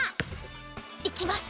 いきます。